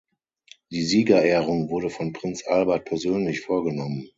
Die Siegerehrung wurde von Prinz Albert persönlich vorgenommen.